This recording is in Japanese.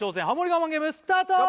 我慢ゲームスタート！